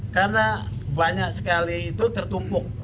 karena banyak sekali itu tertumpuk